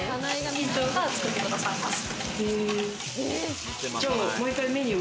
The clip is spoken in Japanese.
店長が作ってくださいます。